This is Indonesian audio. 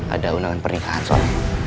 ada undangan pernikahan soal